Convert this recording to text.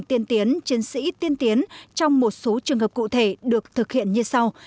tiên tiến chiến sĩ tiên tiến trong một số trường hợp cụ thể được thực hiện như sau